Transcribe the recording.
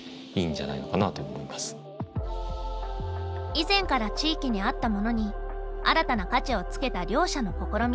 以前から地域にあったものに新たな価値をつけた両者の試み。